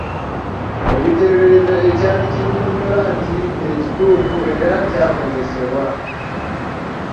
Ekiteeberezo ekyali kinnyonnyola nti kye kituufu eraky'akozesebwa.